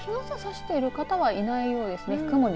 この時間は日傘差している方はいないようですね。